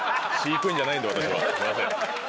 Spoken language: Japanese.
私はすいません。